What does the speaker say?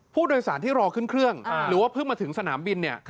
ผู้โดยสารที่รอขึ้นเครื่องหรือว่าเพิ่งมาถึงสนามบิน